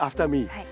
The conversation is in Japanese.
はい。